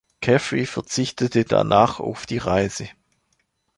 Caffery verzichtete danach auf die Reise.